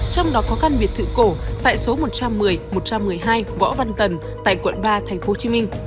trong đó có căn biệt thự cổ tại số một trăm một mươi một trăm một mươi hai võ văn tần tại quận ba tp hcm